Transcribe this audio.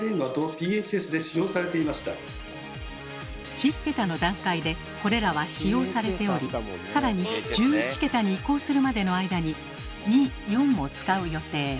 １０桁の段階でこれらは使用されており更に１１桁に移行するまでの間に２・４も使う予定。